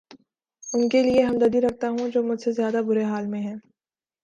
ان کے لیے ہمدردی رکھتا ہوں جو مچھ سے زیادہ برے حال میں ہیں